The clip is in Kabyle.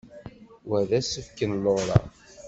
Wa d asefk n Laura?